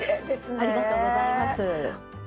ありがとうございます。